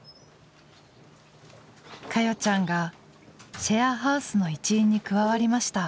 華代ちゃんがシェアハウスの一員に加わりました。